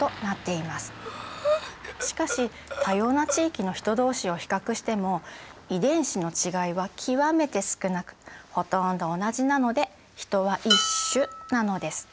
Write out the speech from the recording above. しかし多様な地域のヒト同士を比較しても遺伝子の違いは極めて少なくほとんど同じなのでヒトは１種なのです。